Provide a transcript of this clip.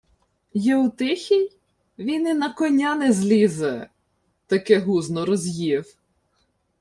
— Єутихій? Він і на коня не злізе, таке гузно роз'їв.